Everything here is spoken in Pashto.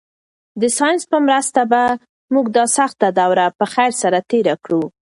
د ساینس په مرسته به موږ دا سخته دوره په خیر سره تېره کړو.